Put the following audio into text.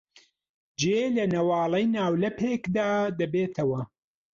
جێی لە نواڵەی ناولەپێکدا دەبێتەوە.